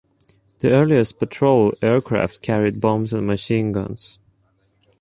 The earliest patrol aircraft carried bombs and machine guns.